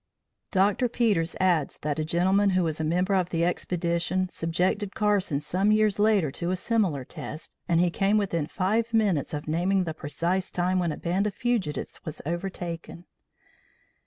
Dr. Peters adds that a gentleman who was a member of the expedition subjected Carson some years later to a similar test, and he came within five minutes of naming the precise time when a band of fugitives was overtaken.